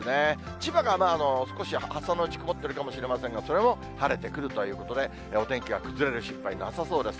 千葉が少し朝のうち曇っているかもしれませんが、それも晴れてくるということで、お天気は崩れる心配なさそうです。